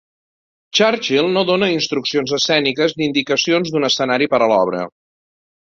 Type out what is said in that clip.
Churchill no dona instruccions escèniques ni indicacions d'un escenari per a l'obra.